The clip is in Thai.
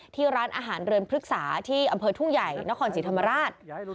ที่ร้านอาหารเรือนพฤกษาที่อำเภอทุ่งใหญ่นครศรีธรรมราช